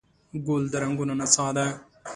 ګل د رنګونو نڅا ده.